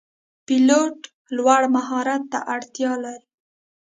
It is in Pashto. پیلوټ لوړ مهارت ته اړتیا لري.